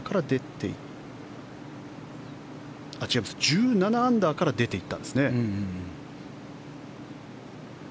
１７アンダーから出ていったんですね。